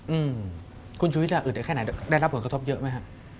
อืมคุณชุวิตจะอึดเดี๋ยวแค่ไหนได้รับผลกระทบเยอะไหมฮะ